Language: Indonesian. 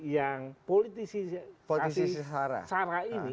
yang politisi sarah ini